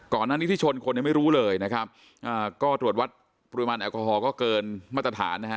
ก่อนนั้นที่ชนคนยังไม่รู้เลยถวดวัดปรุยมันแอลกอฮอล์ก็เกินมาตรฐาน